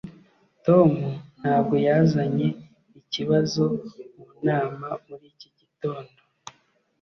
tom ntabwo yazanye ikibazo mu nama muri iki gitondo